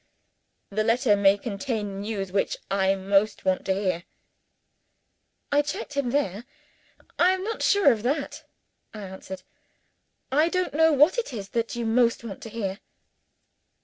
"The letter may contain the news which I most want to hear." I checked him there. "I am not sure of that," I answered. "I don't know what it is that you most want to hear."